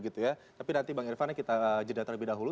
tapi nanti bang irvan kita jeda terlebih dahulu